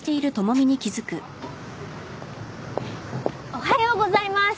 おはようございます。